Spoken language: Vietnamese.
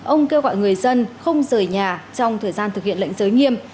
ông kêu gọi người dân không rời nhà trong thời gian thực hiện lệnh giới nghiêm